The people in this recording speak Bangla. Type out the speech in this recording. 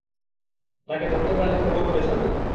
তাকে ধরতে পারলে খবর করে ছাড়বো।